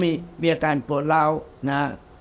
นี่มีอาการโปรดราวะ